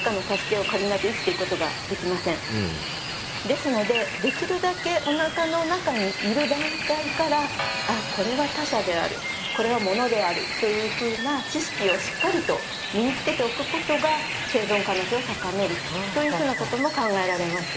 ですのでできるだけおなかの中にいる段階からあこれは他者であるこれはモノであるというふうな知識をしっかりと身につけておくことが生存の可能性を高めるというふうなことも考えられます。